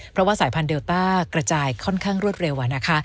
เพราะว่าสายพันธุเดลต้ากระจายค่อนข้างรวดเร็วนะคะ